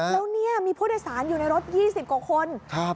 แล้วเนี้ยมีผู้โดยสารอยู่ในรถยี่สิบกว่าคนครับ